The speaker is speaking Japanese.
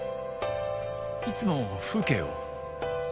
いつも風景を？